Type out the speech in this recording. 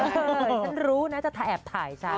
ฉันรู้นะจะแอบถ่ายใช่ไหม